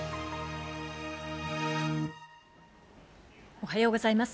おはようございます。